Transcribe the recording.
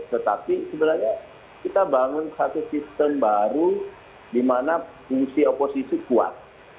tetapi sebenarnya kita bangun satu sistem baru di mana fungsi oposisi kuat